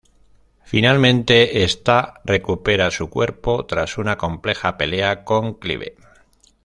Finalmente esta recupera su cuerpo tras una compleja pelea con Clive.